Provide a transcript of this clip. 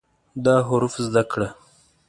دا حروف زده کړه